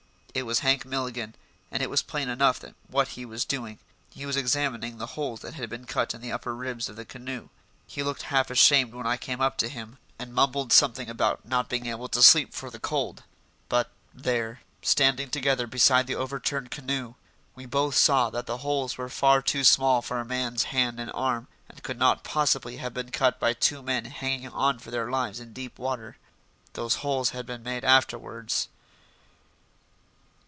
It was Hank Milligan, and it was plain enough what he was doing: he was examining the holes that had been cut in the upper ribs of the canoe. He looked half ashamed when I came up with him, and mumbled something about not being able to sleep for the cold. But, there, standing together beside the over turned canoe, we both saw that the holes were far too small for a man's hand and arm and could not possibly have been cut by two men hanging on for their lives in deep water. Those holes had been made afterwards.